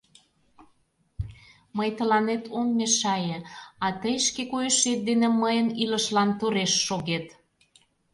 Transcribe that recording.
— Мый тыланет ом мешае, а тый шке койышет дене мыйын илышлан тореш шогет.